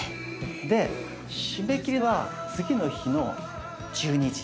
⁉で締め切りは次の日の１２時。